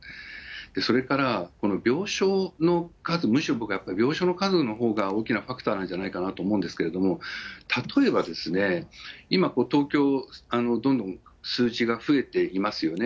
それから、病床の数、むしろ僕はやっぱり病床の数のほうが大きなファクターなんじゃないかなと思うんですけれども、例えば、今、東京、どんどん数字が増えていますよね。